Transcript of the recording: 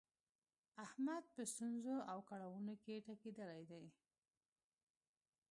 احمد په ستونزو او کړاونو کې ټکېدلی دی.